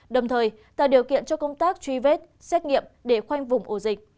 đồng thời tạo điều kiện cho công tác truy vết xét nghiệm để khoanh vùng ổ dịch